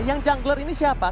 yang jungler ini siapa